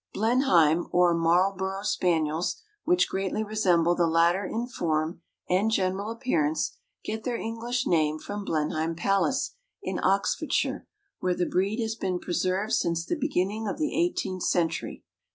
Blenheim or Marlborough spaniels, which greatly resemble the latter in form and general appearance, get their English name from Blenheim Palace, in Oxfordshire, where the breed has been preserved since the beginning of the eighteenth century.